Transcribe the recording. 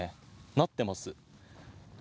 なってます。